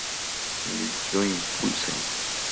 Dirigió Impulse!